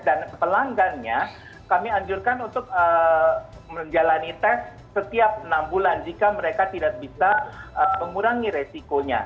dan pelanggannya kami anjurkan untuk menjalani tes setiap enam bulan jika mereka tidak bisa mengurangi resikonya